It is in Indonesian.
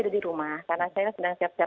ada di rumah karena saya sedang siap siap